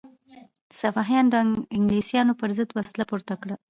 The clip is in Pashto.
سپاهیانو د انګلیسانو پر ضد وسله پورته کړه.